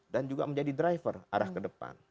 dan juga menjadi driver arah ke depan